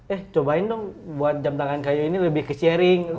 eh cobain dong buat jam tangan kayu ini lebih ke sharing